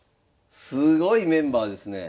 すごいメンバーですね。